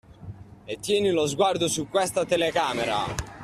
E tieni lo sguardo su questa telecamera.